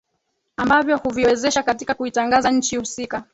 ambavyo huviwezesha katika kuitangaza nchi husika